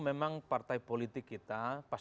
memang partai politik kita pas